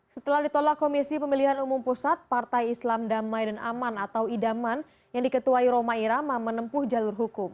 setelah ditolak komisi pemilihan umum pusat partai islam damai dan aman atau idaman yang diketuai roma irama menempuh jalur hukum